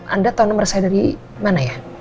anda tahu nomor saya dari mana ya